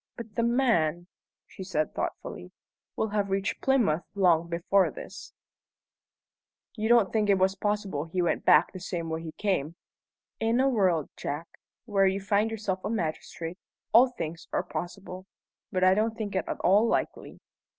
"But the man," she said thoughtfully, "will have reached Plymouth long before this." "You don't think it possible he went back the same way he came?" "In a world, Jack, where you find yourself a magistrate, all things are possible. But I don't think it at all likely."